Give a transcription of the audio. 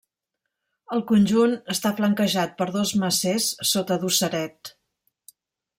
El conjunt està flanquejat per dos macers sota dosseret.